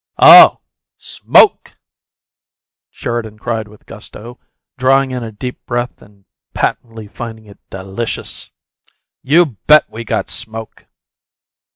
"Oh! SMOKE!" Sheridan cried with gusto, drawing in a deep breath and patently finding it delicious. "You BET we got smoke!"